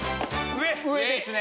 上ですね！